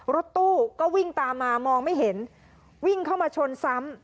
รถตู้ก็วิ่งตามมามองไม่เห็นวิ่งเข้ามาชนซ้ำ